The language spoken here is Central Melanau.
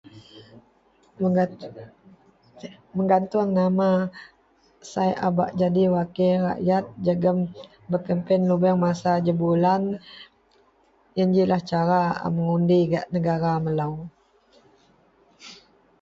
mengan..menggantung nama sai a bak jadi wakil rakyat jegum berkempen lubeang masa jebulan, ien jilah cara a mengundi gak negara melou